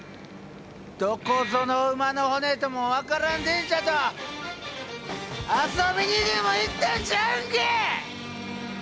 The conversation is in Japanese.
どこぞの馬の骨とも分からん電車と遊びにでも行ってんちゃうんか！？